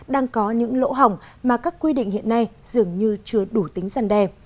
đang có những lỗ hỏng mà các quy định hiện nay dường như chưa đủ tính dần đề